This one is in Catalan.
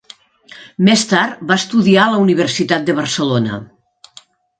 Més tard va estudiar a la Universitat de Barcelona.